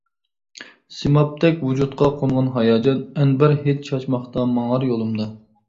سىمابتەك ۋۇجۇدقا قونغان ھاياجان، ئەنبەر ھىد چاچماقتا ماڭار يولۇمدا.